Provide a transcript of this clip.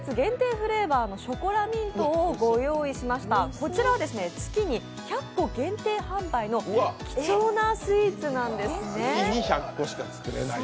フレーバーのショコラミントをご用意いたしました、こちらは月に１００個限定販売の貴重なスイーツなんですね。